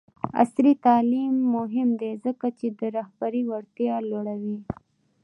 عصري تعلیم مهم دی ځکه چې د رهبرۍ وړتیا لوړوي.